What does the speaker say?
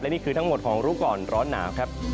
นี่คือทั้งหมดของรู้ก่อนร้อนหนาวครับ